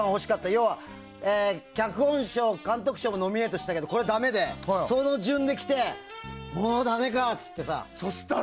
要は脚本賞、監督賞もノミネートしたけどこれはだめで、その順できてもうだめかって言ってさ。